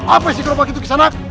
apa isi gerobak itu gizanak